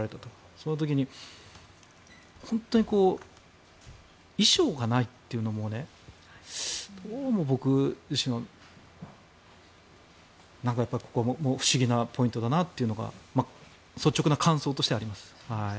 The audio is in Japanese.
その時に、本当に遺書がないというのもねどうも不思議なポイントだなというのが率直な感想としてあります。